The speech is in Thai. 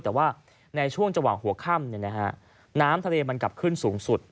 แต่ว่าในช่วงจังหวะหัวค่ำน้ำทะเลมันกลับขึ้นสูงสุด